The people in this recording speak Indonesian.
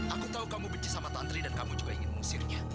aku tahu kamu benci sama santri dan kamu juga ingin mengusirnya